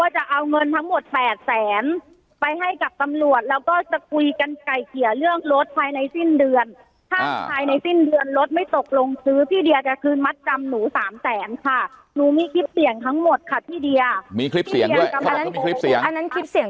จะมาเข้างเขาว่าจะเอาเงินทั้งหมดแปดแสนไปให้กับตำรวจ